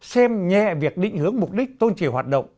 xem nhẹ việc định hướng mục đích tôn trì hoạt động